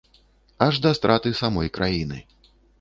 Аж да страты самой краіны.